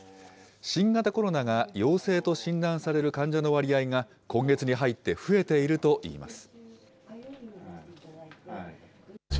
新型コロナが陽性と診断される患者の割合が、今月に入って増えているといいます。